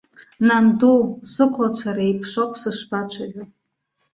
Нанду, сықәлацәа реиԥшоуп сышбацәажәо.